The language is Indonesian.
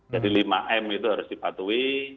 jadi lima m itu harus dipatuhi